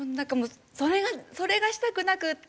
それがしたくなくって。